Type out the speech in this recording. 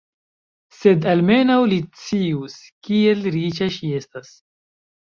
Se almenaŭ li scius, kiel riĉa ŝi estas!